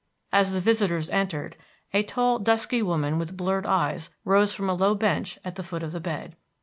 As the visitors entered, a tall dusky woman with blurred eyes rose from a low bench at the foot of the bed.